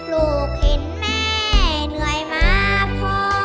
ลูกเห็นแม่เหนื่อยมาพ่อ